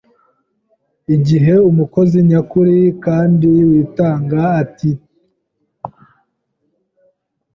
Igihe umukozi nyakuri kandi witanga atikanyiza aharanira guteza imbere inyungu z’ikigo akoramo,